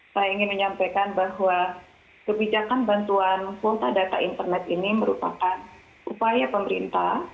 saya ingin menyampaikan bahwa kebijakan bantuan kuota data internet ini merupakan upaya pemerintah